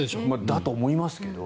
だと思いますけど。